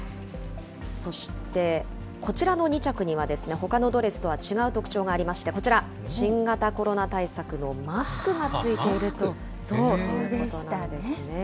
そして、こちらの２着にはほかのドレスとは違う特徴がありまして、こちら、新型コロナ対策のマスクがついているということなんですね。